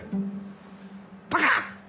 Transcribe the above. バカ！